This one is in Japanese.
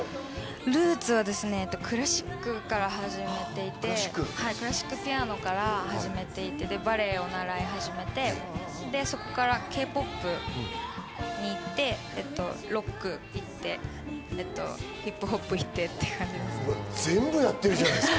ルーツはクラシックから始まっていて、クラシックピアノから始めていて、バレエを習い始めて、そこからＫ−ＰＯＰに行って、ロックに行って、ヒップホップに行ってっていうそういう感じです。